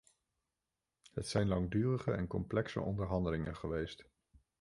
Het zijn langdurige en complexe onderhandelingen geweest.